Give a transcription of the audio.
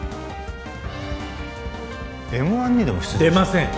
Ｍ−１にでも出ません